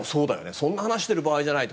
そんな話をしている場合じゃないと。